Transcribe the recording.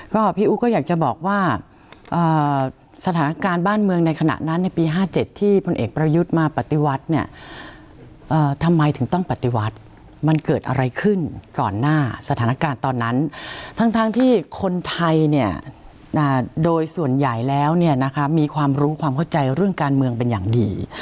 ก็พี่อู๋ก็อยากจะบอกว่าสถานการณ์บ้านเมืองในขณะนั้นในปี๕๗ที่พลเอกประยุทธ์มาปฏิวัติเนี่ยทำไมถึงต้องปฏิวัติมันเกิดอะไรขึ้นก่อนหน้าสถานการณ์ตอนนั้นทั้งที่คนไทยเนี่ยโดยส่วนใหญ่แล้วเนี่ยนะคะมีความรู้ความเข้าใจเรื่องการเมืองเป็นอย่างดี